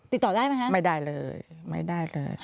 ติดต่อได้ไหมคะไม่ได้เลยไม่ได้เลย